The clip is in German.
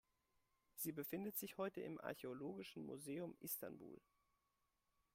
Sie befindet sich heute im Archäologischen Museum Istanbul.